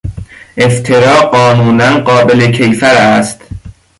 افترا قانونا قابل کیفر است.